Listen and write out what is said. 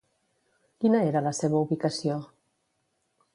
Quina era la seva ubicació?